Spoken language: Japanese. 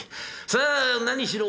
さあ何しろ